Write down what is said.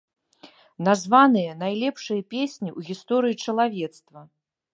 Названыя найлепшыя песні ў гісторыі чалавецтва.